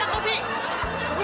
abi rusak abi